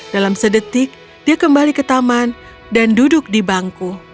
dalam sedetik dia kembali ke taman dan duduk di bangku